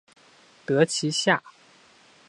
得其下